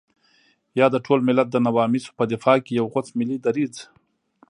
يا د ټول ملت د نواميسو په دفاع کې يو غوڅ ملي دريځ.